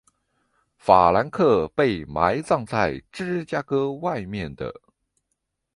法兰克被埋葬在芝加哥外面的。